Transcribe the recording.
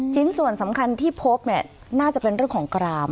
ชิ้นส่วนสำคัญที่พบเนี่ยน่าจะเป็นเรื่องของกราม